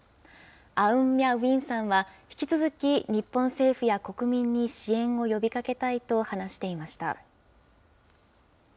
アウン・ミャッ・ウィンさんは、引き続き日本政府や国民に支援を呼びかけたいと話していました。